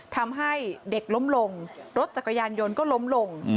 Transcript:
ทำให้เด็กล้มลงรถจักรยานยนต์ก็ล้มลง